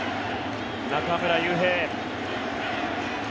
中村悠平。